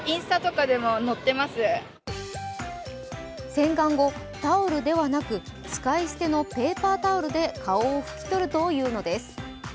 洗顔後、タオルではなく使い捨てのペーパータオルで顔を拭き取るというのです。